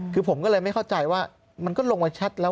คือผมก็เลยไม่เข้าใจว่ามันก็ลงมาชัดแล้ว